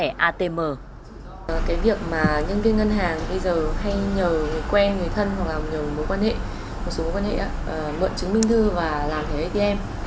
cái việc mà nhân viên ngân hàng bây giờ hay nhờ người quen người thân hoặc là nhờ một số mối quan hệ mượn chứng minh thư và làm thẻ atm